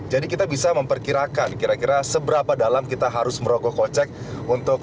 jadi kita bisa memperkirakan kira kira seberapa dalam kita harus merogoh kocek untuk